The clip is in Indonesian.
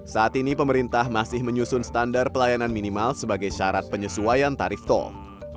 saat ini pemerintah masih menyusun standar pelayanan minimal sebagai syarat penyesuaian tarif tol